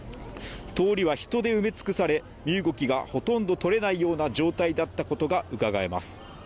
通りは人で埋め尽くされ、身動きがほとんどとれないような状態だったことがうかがえます。